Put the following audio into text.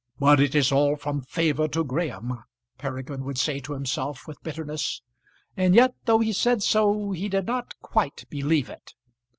"But it is all from favour to Graham!" Peregrine would say to himself with bitterness; and yet though he said so he did not quite believe it.